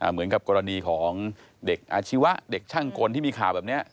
เหมือนกับกรณีของเด็กอาชีวะเด็กช่างกลที่มีข่าวแบบนี้